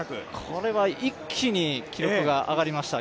これは一気に記録が上がりました。